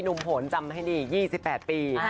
หนุ่มโหนจำให้ดี๒๘ปี